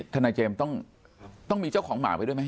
ทนายเจมส์ต้องมีเจ้าของหมาไว้ด้วยไหม